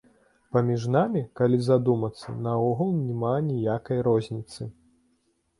Паміж намі, калі задумацца, наогул няма ніякай розніцы.